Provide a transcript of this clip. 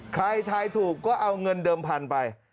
ใครทายถูกก็เอาเงินเดิมพันไป